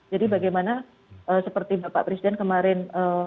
jadi bagaimana seperti bapak presiden kemarin